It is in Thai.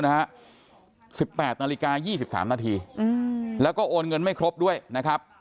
๑๘นาฬิกา๒๓นาทีแล้วก็โอนเงินไม่ครบด้วยนะครับ